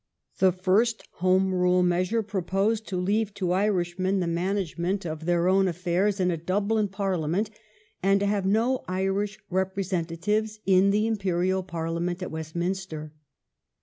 The first Home Rule measure proposed to leave to Irishmen the management of their own HOME RULE 37 1 affairs in a Dublin Parliament and to have no Irish representatives in the Imperial Parliament at Westminster.